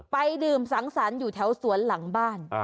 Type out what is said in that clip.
ไปดื่มสังสรรค์อยู่แถวสวนหลังบ้าน